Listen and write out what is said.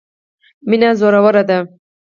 مینه زوروره ده.